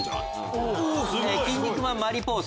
キン肉マンマリポーサ。